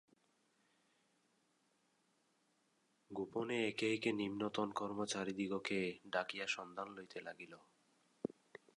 গোপনে একে একে নিম্নতন কর্মচারীদিগকে ডাকিয়া সন্ধান লইতে লাগিল।